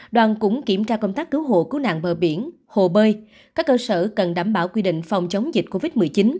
đoàn cũng kiểm tra công tác cứu hộ cứu nạn bờ biển hồ bơi các cơ sở cần đảm bảo quy định phòng chống dịch covid một mươi chín